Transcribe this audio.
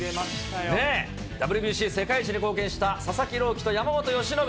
ＷＢＣ世界一に貢献した、佐々木朗希と山本由伸。